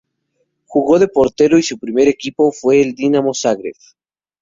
Jugó de portero y su primer equipo fue el Dinamo Zagreb.